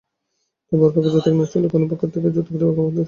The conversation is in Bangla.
তাই বরপক্ষ যৌতুক না চাইলেও কন্যাপক্ষ থেকে যৌতুক দেওয়ার কমতি থাকে না।